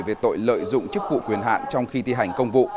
về tội lợi dụng chức vụ quyền hạn trong khi thi hành công vụ